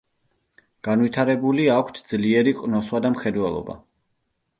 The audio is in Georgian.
განვითარებული აქვთ ძლიერი ყნოსვა და მხედველობა.